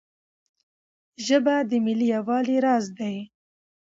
ژبه د ملي یووالي راز دی.